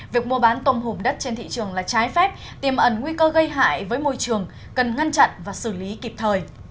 việc mua bán tôm hùm đất trên thị trường là trái phép tiềm ẩn nguy cơ gây hại với môi trường cần ngăn chặn và xử lý kịp thời